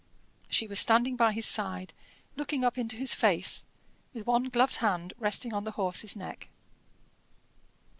She was standing by his side, looking up into his face, with one gloved hand resting on the horse's neck.